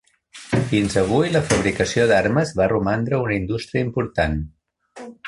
Fins avui, la fabricació d'armes va romandre una indústria important.